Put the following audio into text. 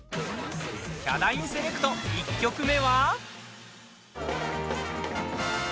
ヒャダインセレクト、１曲目は？